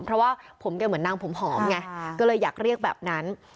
เพราะว่าผมแกเหมือนนางผมหอมไงก็เลยอยากเรียกแบบนั้น